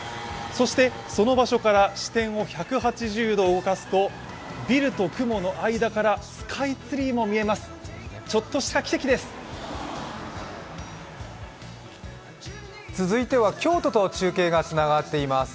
その場所から視点を１８０度動かすとビルと雲の間からスカイツリーも見えます。